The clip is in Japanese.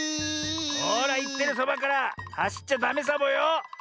ほらいってるそばからはしっちゃダメサボよ！